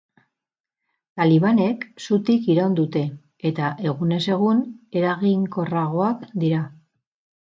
Talibanek zutik iraun dute, eta egunez egun, eraginkorragoak dira.